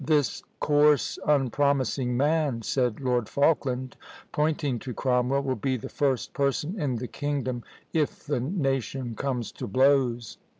"This coarse unpromising man," said Lord Falkland, pointing to Cromwell, "will be the first person in the kingdom, if the nation comes to blows!"